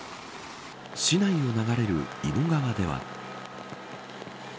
市内を流れる井野川では。